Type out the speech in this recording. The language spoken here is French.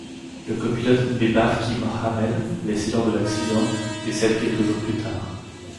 Le copilote Mebarki Mohamed blessé lors de l’accident, décède quelques jours plus tard.